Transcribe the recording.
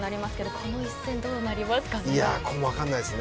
この一戦はどうなりますかね。